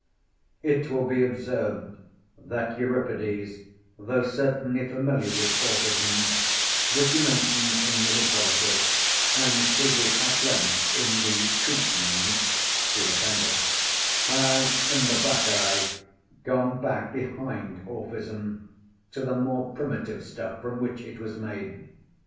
It will be observed that Euripides, though certainly familiar with Orphism which he mentions in The Hippolytus and treated at length in The Cretans (see Appendix) has in The Bacchae gone back behind Orphism to the more primitive stuff from which it was made.